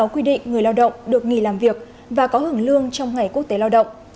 năm mươi sáu quy định người lao động được nghỉ làm việc và có hưởng lương trong ngày quốc tế lao động